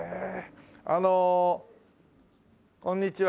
あのこんにちは。